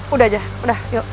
udah aja udah yuk